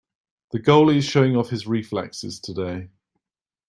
The goalie is showing off his reflexes today.